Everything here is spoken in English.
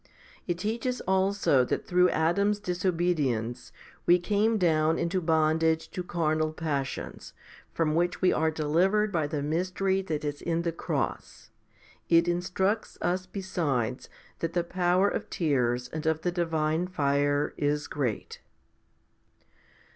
It teaches also that through Adam's disobedience we came down into bondage to carnal passions, from which we are delivered by the mystery that is in the cross. It instructs us besides that the power of tears and of the divine fire is great.